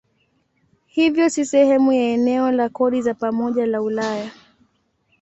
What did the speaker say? Hivyo si sehemu ya eneo la kodi za pamoja la Ulaya.